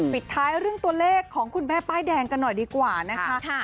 ปิดท้ายเรื่องตัวเลขของคุณแม่ป้ายแดงกันหน่อยดีกว่านะคะ